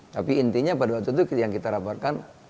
tapi intinya pada waktu itu yang kita rapatkan